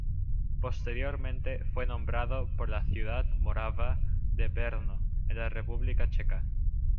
Posteriormente fue nombrado por la ciudad morava de Brno en la República Checa.